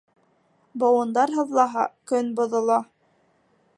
Быуындар һыҙлаһа, көн боҙола.